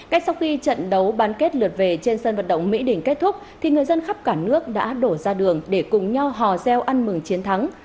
cách sau khi trận đấu bán kết lượt về trên sân vận động mỹ đình kết thúc thì người dân khắp cả nước đã đổ ra đường để cùng nhau hò gieo ăn mừng chiến thắng